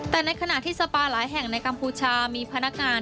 แต่ในขณะที่สปาหลายแห่งในกัมพูชามีพนักงาน